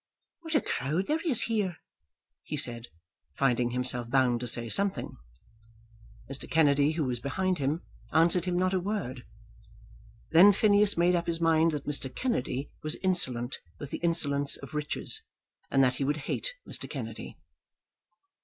"What a crowd there is here," he said, finding himself bound to say something. Mr. Kennedy, who was behind him, answered him not a word. Then Phineas made up his mind that Mr. Kennedy was insolent with the insolence of riches, and that he would hate Mr. Kennedy.